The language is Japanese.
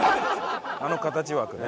「あの形枠」ね。